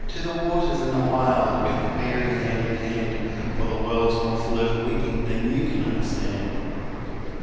To the waters and the wild With a faery, hand in hand, For the world's more full of weeping than you can understand.